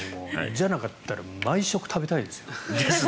じゃなかったら毎食食べたいですよ。